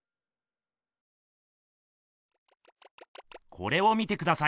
これを見てください。